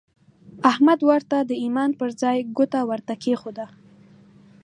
احمد ورته د ايمان پر ځای ګوته ورته کېښوده.